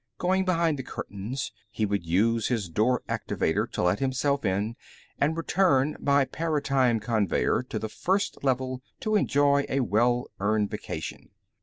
Going behind the curtains, he would use his door activator to let himself in, and return by paratime conveyer to the First Level to enjoy a well earned vacation.